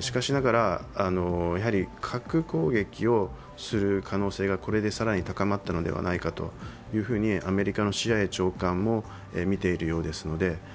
しかしながら、やはり核攻撃をする可能性がこれで更に高まったのではないかとアメリカのＣＩＡ長官も見ているようですので、